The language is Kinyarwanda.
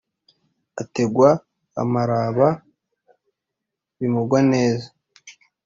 Ategwa amaraba bimugwa neza